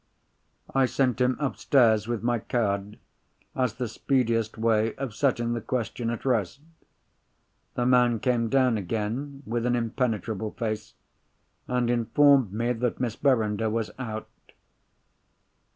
I sent him upstairs with my card, as the speediest way of setting the question at rest. The man came down again with an impenetrable face, and informed me that Miss Verinder was out.